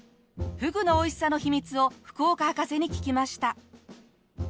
フグのおいしさの秘密を福岡博士に聞きました。